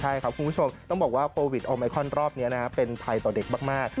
ใช่ครับคุณผู้ชมต้องบอกว่าโควิดโอไมคอนรอบนี้เป็นภัยต่อเด็กมาก